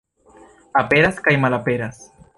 Aperas kaj malaperas.